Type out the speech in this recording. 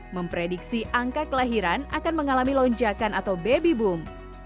memprediksi angka kelahiran akan mengalami lonjakan atau baby boom